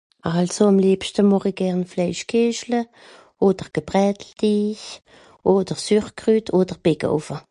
Ce que je fais c'est des boulettes de viande, des pommes des Grabraedeldi de la Chouroute ou du Beckeoffe